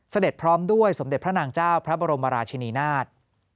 พร้อมด้วยสมเด็จพระนางเจ้าพระบรมราชินีนาฏ